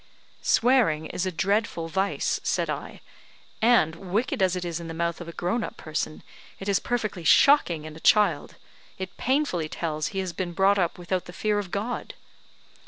"Swearing is a dreadful vice," said I, "and, wicked as it is in the mouth of a grown up person, it is perfectly shocking in a child; it painfully tells he has been brought up without the fear of God."